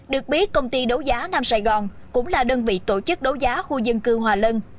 được biết công ty đấu giá nam sài gòn cũng là đơn vị tổ chức đấu giá khu dân cư hòa lân